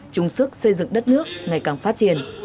chung sức xây dựng đất nước ngày càng phát triển